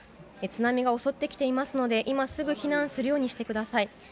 津波が襲って来ていますので今すぐ避難するようにしてください。